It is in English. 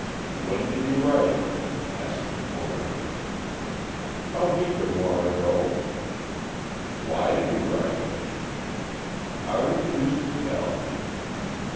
"When did you write it?" asked the coroner. "A week or more ago." "Why did you write it?" "I refuse to tell."